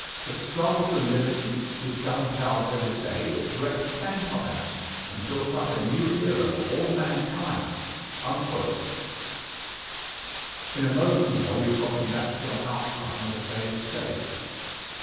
The struggle for liberty, with gunpowder as its aid, wrecked empires, and built up a new era for all mankind." In a moment more you have gotten back to your outline and the day is saved.